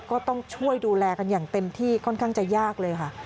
ก็ต้องช่วยดูแลกันอย่างเต็มที่ค่อนข้างจะยากเลยค่ะ